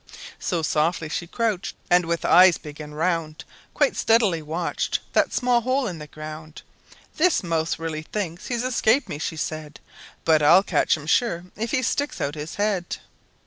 So, softly she crouched, and with eyes big and round Quite steadily watched that small hole in the ground. "This mouse really thinks he's escaped me," she said, "But I'll catch him sure if he sticks out his head!"